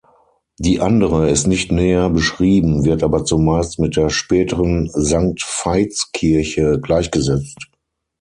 Die andere ist nicht näher beschrieben, wird aber zumeist mit der späteren Sankt-Veits-Kirche gleichgesetzt.